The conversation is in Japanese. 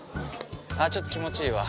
あちょっと気持ちいいわ。